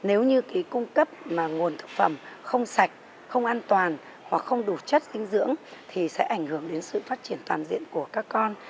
an toàn thực phẩm không sạch không an toàn hoặc không đủ chất dinh dưỡng thì sẽ ảnh hưởng đến sự phát triển toàn diện của các con